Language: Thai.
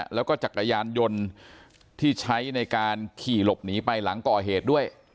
แล้วก็จักรยานยนต์ที่ใช้ในการขี่หลบหนีไปหลังก่อเหตุด้วย